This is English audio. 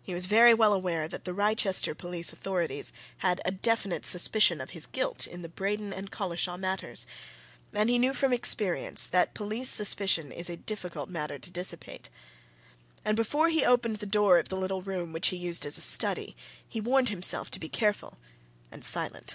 He was very well aware that the Wrychester police authorities had a definite suspicion of his guilt in the Braden and Collishaw matters, and he knew from experience that police suspicion is a difficult matter to dissipate. And before he opened the door of the little room which he used as a study he warned himself to be careful and silent.